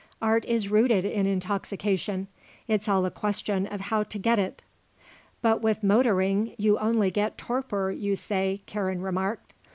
Art is rooted in intoxication. It's all a question of how to get it." "But with motoring you only get torpor, you say," Karen remarked.